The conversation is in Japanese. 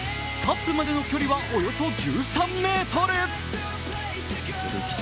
カップまでの距離はおよそ１３ｍ。